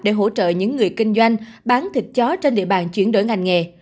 để hỗ trợ những người kinh doanh bán thịt chó trên địa bàn chuyển đổi ngành nghề